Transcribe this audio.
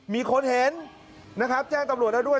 มีคนเห็นนะครับแจ้งตำรวจแล้วด้วย